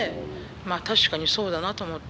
まあ確かにそうだなと思って。